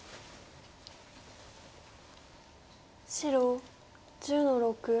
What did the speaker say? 白１０の六。